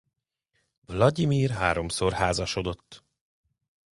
Vlagyimir háromszor házasodott.